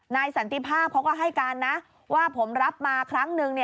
สันติภาพเขาก็ให้การนะว่าผมรับมาครั้งหนึ่ง